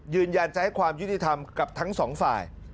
ยืนยันจะให้ความยุติธรรมกับทั้งสองฝ่าย